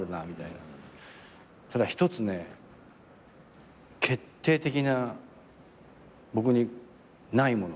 ただ一つね決定的な僕にないもの。